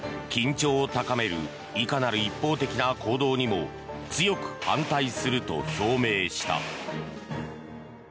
緊張を高めるいかなる一方的な行動にも強く反対すると表明した。